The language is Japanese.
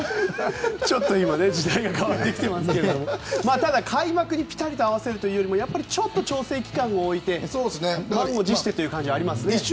ちょっと今、時代が変わってきていますがただ開幕にピタリ合わせるよりもちょっと調整期間を置いて満を持してというところがありますね。